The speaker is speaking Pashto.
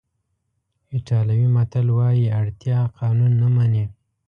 ایټالوي متل وایي اړتیا قانون نه مني.